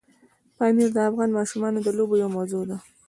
پامیر د افغان ماشومانو د لوبو یوه موضوع ده.